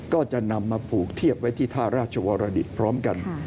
ก็จะนำมาผูกเทียบไว้ที่ท่าราชวรดิตพร้อมกัน